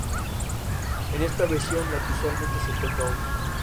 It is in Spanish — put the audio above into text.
El campeón del mundo, el italiano Eugenio Lazzarini, se conformó con el octavo puesto.